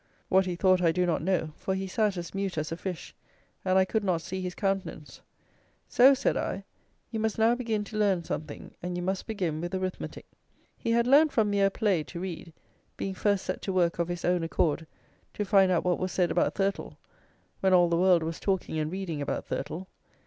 What he thought I do not know; for he sat as mute as a fish, and I could not see his countenance. "So," said I, "you must now begin to learn something, and you must begin with arithmetic." He had learned from mere play, to read, being first set to work of his own accord, to find out what was said about Thurtell, when all the world was talking and reading about Thurtell.